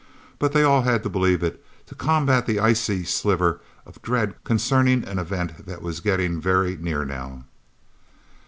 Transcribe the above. But they all had to believe it, to combat the icy sliver of dread concerning an event that was getting very near, now.